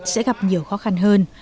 sẽ gặp nhiều khó khăn hơn